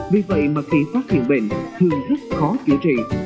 vì vậy mà khi phát hiện bệnh thường rất khó chữa trị